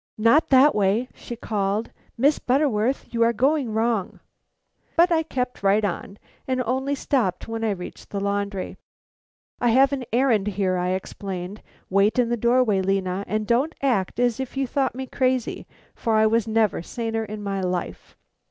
"Not that way!" she called. "Miss Butterworth, you are going wrong." But I kept right on, and only stopped when I reached the laundry. "I have an errand here," I explained. "Wait in the doorway, Lena, and don't act as if you thought me crazy, for I was never saner in my life."